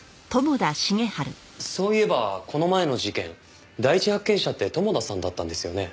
そういえばこの前の事件第一発見者って友田さんだったんですよね？